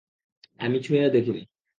আমিও ছুঁয়ে দেখিনি!